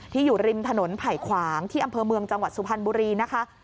อยู่ริมถนนไผ่ขวางที่อำเภอเมืองจังหวัดสุพรรณบุรีนะคะ